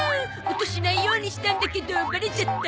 音しないようにしたんだけどバレちゃった？